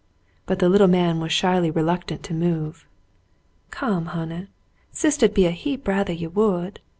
But the little man was shyly reluctant to move. "Come, honey. Sistah'd a heap rathah you would."